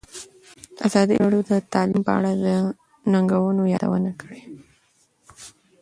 ازادي راډیو د تعلیم په اړه د ننګونو یادونه کړې.